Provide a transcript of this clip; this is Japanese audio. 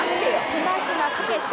手間ひまかけて。